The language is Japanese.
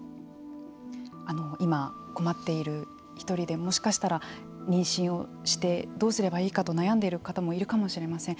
今、困っている一人でもしかしたら妊娠をしてどうすればいいかと悩んでいる方もいるかもしれません。